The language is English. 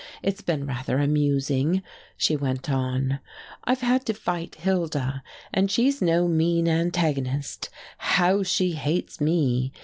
It's been rather amusing," she went on, "I've had to fight Hilda, and she's no mean antagonist. How she hates me!